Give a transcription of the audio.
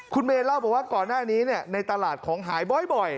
คุณเมย์เล่าบอกว่าก่อนหน้านี้ในตลาดของหายบ่อย